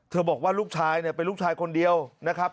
บอกว่าลูกชายเนี่ยเป็นลูกชายคนเดียวนะครับ